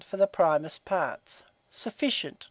for the primest parts. Sufficient.